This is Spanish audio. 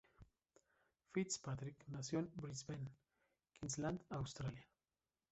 Fitzpatrick nació en Brisbane, Queensland, Australia.